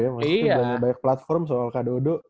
maksudnya banyak platform soal kak dodo